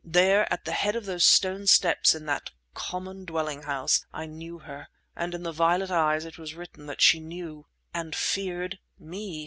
There at the head of those stone steps in that common dwelling house I knew her—and in the violet eyes it was written that she knew, and feared, me!